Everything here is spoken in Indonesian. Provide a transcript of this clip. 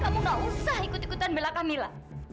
kamu enggak usah ikut ikutan bela kamila